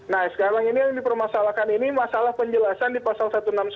nah sekarang ini yang dipermasalahkan ini masalah penjelasan di pasal satu ratus enam puluh sembilan